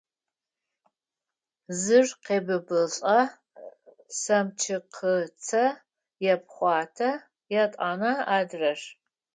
Зыр къебыбылӏэ, семчыкыцэ епхъуатэ, етӏанэ – адрэр…